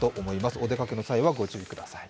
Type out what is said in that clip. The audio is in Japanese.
お出かけの際はご注意ください。